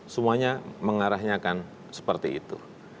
semuanya mengarahnya akan seperti itu